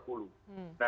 bagi jenis vaksin yang